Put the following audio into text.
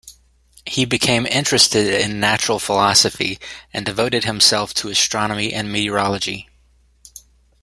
He became interested in natural philosophy, and devoted himself to astronomy and meteorology.